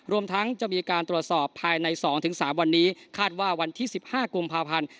รวมทั้งจะมีการตรวจสอบภายในสองถึงสามวันนี้คาดว่าวันที่สิบห้ากรุงพาพันธุ์